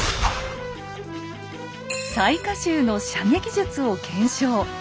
雑賀衆の射撃術を検証。